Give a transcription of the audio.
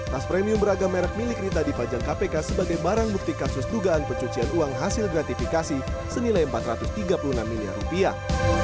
tas premium beragam merek milik rita dipajang kpk sebagai barang bukti kasus dugaan pencucian uang hasil gratifikasi senilai empat ratus tiga puluh enam miliar rupiah